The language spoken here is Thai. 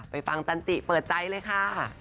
ไปฟังจันทรีย์เปิดใจเลยค่ะ